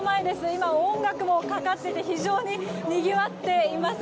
今、音楽もかかって非常ににぎわっています。